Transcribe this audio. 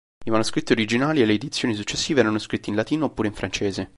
I manoscritti originali e le edizioni successive erano scritti in latino oppure in francese.